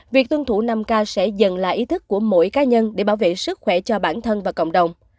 việc tuân thủ năm k sẽ dần là ý thức của mỗi cá nhân để bảo vệ sức khỏe cho bản thân và cộng đồng